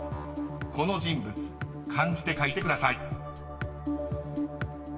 ［この人物漢字で書いてください］